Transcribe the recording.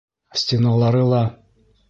Стеналары ла.